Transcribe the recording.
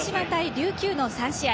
琉球の３試合。